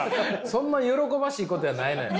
そんなに喜ばしいことやないのよ。